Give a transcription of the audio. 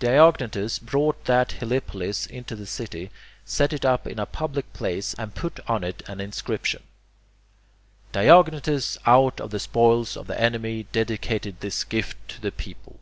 Diognetus brought that helepolis into the city, set it up in a public place, and put on it an inscription: "Diognetus out of the spoils of the enemy dedicated this gift to the people."